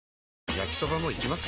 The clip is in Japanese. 焼きソバもいきます？